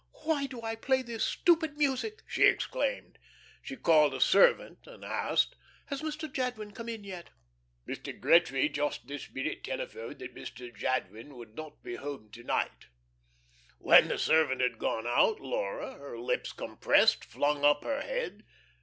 "Why do I play this stupid music?" she exclaimed. She called a servant and asked: "Has Mr. Jadwin come in yet?" "Mr. Gretry just this minute telephoned that Mr. Jadwin would not be home to night." When the servant had gone out Laura, her lips compressed, flung up her head.